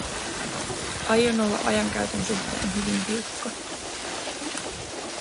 Aion olla ajankäytön suhteen hyvin tiukka.